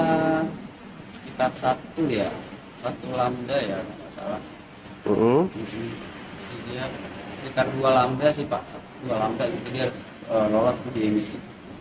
sekitar dua lambda sih pak dua lambda gitu dia lolos uji emisi